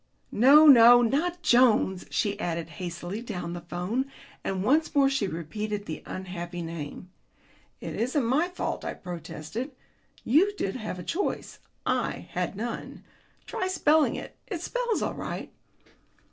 "No, no, not Jones," she added hastily down the telephone, and once more she repeated the unhappy name. "It isn't my fault," I protested. "You did have a choice; I had none. Try spelling it. It spells all right."